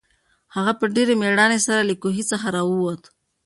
هغه په ډېرې مېړانې سره له کوهي څخه راووت.